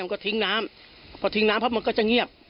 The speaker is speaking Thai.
พอทิ้งน้ำพร้อมมันก็จะเงียบ